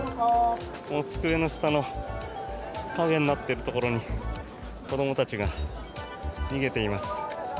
机の下の陰になっているところに子どもたちが逃げています。